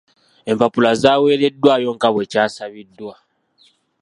Empapula zaweeredwayo nga bwe kyasabiddwa.